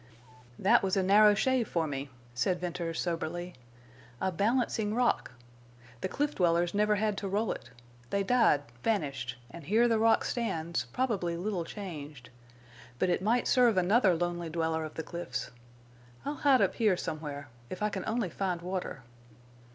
"That was a narrow shave for me," said Venters, soberly. "A balancing rock! The cliff dwellers never had to roll it. They died, vanished, and here the rock stands, probably little changed.... But it might serve another lonely dweller of the cliffs. I'll hide up here somewhere, if I can only find water."